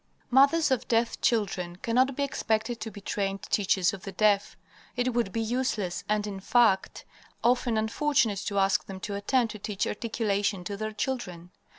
Mothers of deaf children cannot be expected to be trained teachers of the deaf. It would be useless, and, in fact, often unfortunate, to ask them to attempt to teach articulation to their children.